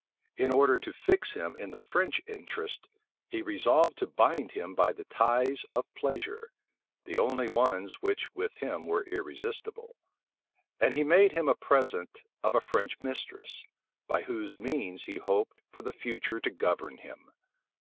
In order to fix him in the French interests, he resolved to bind him by the ties of pleasure, the only ones which with him were irresistible; and he made him a present of a French mistress, by whose means he hoped for the future to govern him.